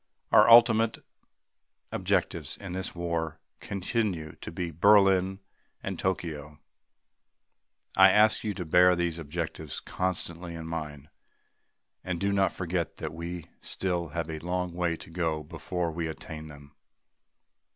Our ultimate objectives in this war continue to be Berlin and Tokyo. I ask you to bear these objectives constantly in mind and do not forget that we still have a long way to go before we attain them.